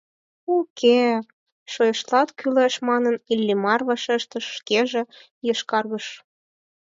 — У-уке, — шойышташ кӱлеш манын, Иллимар вашештыш, шкеже йошкаргыш.